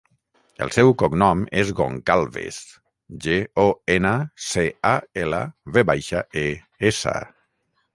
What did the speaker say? El seu cognom és Goncalves: ge, o, ena, ce, a, ela, ve baixa, e, essa.